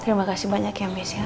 terima kasih banyak ya mis ya